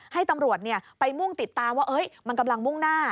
ให้ตำรวจไปมุ่งติดตามว่ามันกำลังมุ่งหน้า